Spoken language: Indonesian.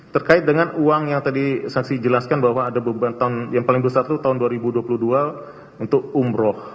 terkait dengan uang yang tadi saksi jelaskan bahwa ada beban tahun yang paling besar itu tahun dua ribu dua puluh dua untuk umroh